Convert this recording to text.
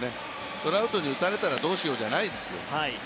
トラウトに打たれたらどうしようじゃないですよ。